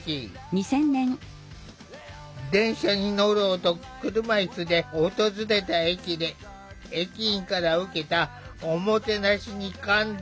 電車に乗ろうと車いすで訪れた駅で駅員から受けた“おもてなし”に感動。